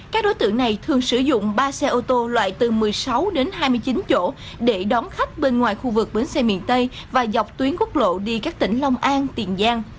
các đối tượng này thường sử dụng ba xe ô tô loại từ một mươi sáu đến hai mươi chín chỗ để đón khách bên ngoài khu vực bến xe miền tây và dọc tuyến quốc lộ đi các tỉnh long an tiền giang